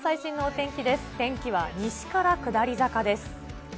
天気は西から下り坂です。